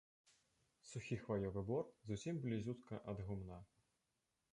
Сухі хваёвы бор зусім блізютка ад гумна.